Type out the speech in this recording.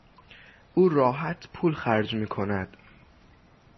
او راحت پول خرج میکند.